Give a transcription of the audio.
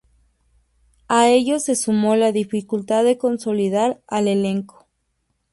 A ello se sumó la dificultad de consolidar al elenco.